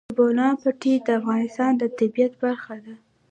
د بولان پټي د افغانستان د طبیعت برخه ده.